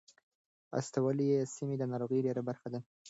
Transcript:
استوايي سیمې د ناروغۍ ډېره برخه لري.